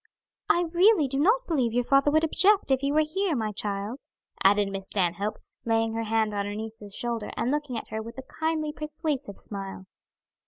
"I really do not believe your father would object, if he were here, my child," added Miss Stanhope, laying her hand on her niece's shoulder and looking at her with a kindly persuasive smile.